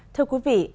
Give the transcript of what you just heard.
thưa quý vị